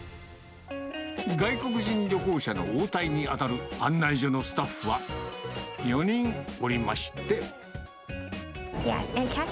外国人旅行者の応対に当たる案内所のスタッフは、４人おりまして。